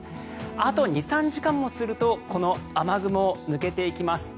あと２３時間もするとこの雨雲、抜けていきます。